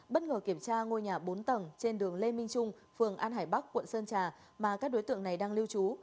bất ngờ kiểm tra ngôi nhà bốn tầng trên đường lê minh trung phường an hải bắc quận sơn trà mà các đối tượng này đang lưu trú